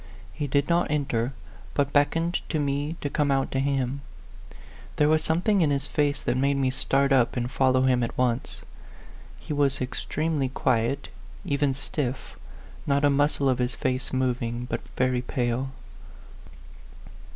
He did not enter, but beckoned to me to come out to him. There was something in his face that made me start up and follow him at once. He was extreme ly quiet, even stiff, not a muscle of his face moving, but very pale.